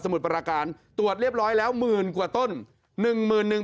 มุดประการตรวจเรียบร้อยแล้วหมื่นกว่าต้นหนึ่งหมื่นหนึ่ง